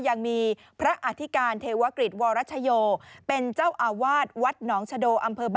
ยังมีพระอธิการเทวะกฤทธิ์วรรชโย